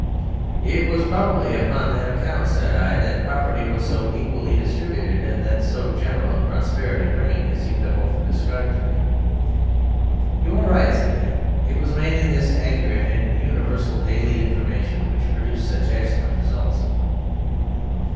"It was probably upon that account," said I, "that property was so equally distributed, and that so general a prosperity reigned as you have often described to me." "You are right," said he; "it was mainly this accurate and universal daily information which produced such excellent results."